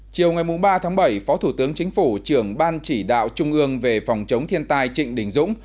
chiều ngày ba tháng bảy phó thủ tướng chính phủ trưởng ban chỉ đạo trung ương về phòng chống thiên tai trịnh đình dũng